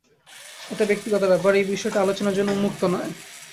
এটা ব্যক্তিগত ব্যাপার, এই বিষয়টি আলোচনার জন্য উন্মুক্ত নয়।